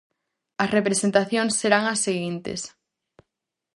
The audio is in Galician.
As representacións serán as seguintes: